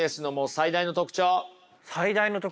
最大の特徴？